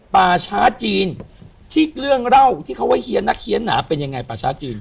ป่าช้าจีนที่เรื่องเล่าที่เขาว่าเฮียนักเฮียนหนาเป็นยังไงป่าช้าจีน